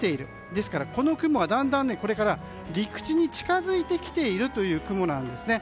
ですから、この雲がだんだん陸地に近づいてきているという雲なんですね。